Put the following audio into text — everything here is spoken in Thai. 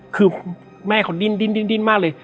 คือแม่เขาดิ้นมากเลย